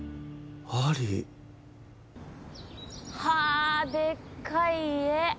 はあでっかい家。